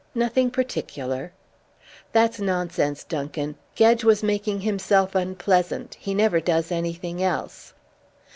"Nothing particular." "That's nonsense, Duncan. Gedge was making himself unpleasant. He never does anything else."